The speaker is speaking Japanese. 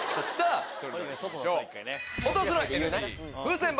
それではいきましょう！